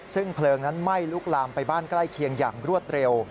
ซึ่งเพลิงนั้นไหม้ลุกลามไปบ้านใกล้เคียงอย่างรวดเร็ว